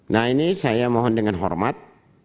nah ini saya mohon dengan hormat